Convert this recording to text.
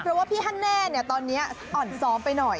เพราะว่าพี่ฮันแน่ตอนนี้อ่อนซ้อมไปหน่อย